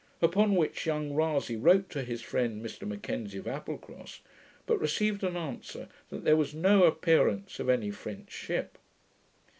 Upon which young Rasay wrote to his friend, Mr M'Kenzie of Applecross, but received an answer, that there was no appearance of any French ship.